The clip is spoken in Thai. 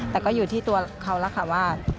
แต่ก็อยู่ที่ตัวเขาแล้วค่ะว่า